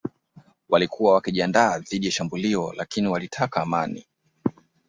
Walikuwa wakijiandaa dhidi ya shambulio lakini walitaka amani